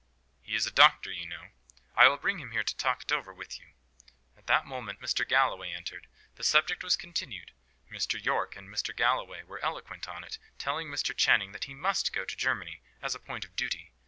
He is a doctor, you know. I will bring him here to talk it over with you." At that moment Mr. Galloway entered: the subject was continued. Mr. Yorke and Mr. Galloway were eloquent on it, telling Mr. Channing that he must go to Germany, as a point of duty.